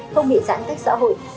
không bị giãn cách xã hội